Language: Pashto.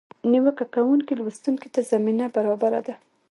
نیوکه کوونکي لوستونکي ته زمینه برابره ده.